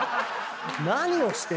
何をして。